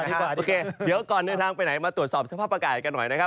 โอเคเดี๋ยวก่อนเดินทางไปไหนมาตรวจสอบสภาพอากาศกันหน่อยนะครับ